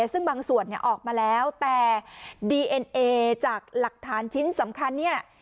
ซึ่งบางส่วนเนี่ยออกมาแล้วแต่ดีเอ็นเอจากหลักฐานชิ้นสำคัญเนี่ย